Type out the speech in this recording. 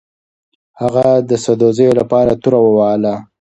هغه د سدوزیو لپاره توره ووهله.